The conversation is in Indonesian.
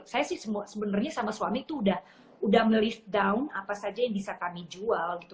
saya sih sebenarnya sama suami tuh udah melive down apa saja yang bisa kami jual gitu